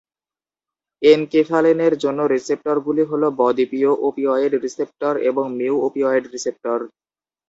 এনকেফালিনের জন্য রিসেপ্টরগুলি হল বদ্বীপীয় অপিওয়েড রিসেপ্টর এবং মিউ অপিওয়েড রিসেপ্টর।